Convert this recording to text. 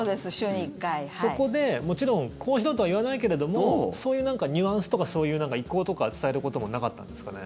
そこで、もちろんこうしろとは言わないけれどもそういうニュアンスとかそういう意向とかを伝えることもなかったんですかね。